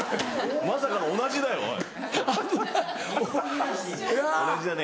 まさかの同じだよおい同じだね。